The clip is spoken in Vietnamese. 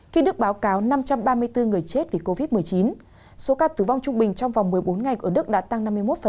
khi đức báo cáo năm trăm ba mươi bốn người chết vì covid một mươi chín số ca tử vong trung bình trong vòng một mươi bốn ngày ở đức đã tăng năm mươi một